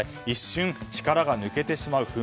一瞬、力が抜けてしまう。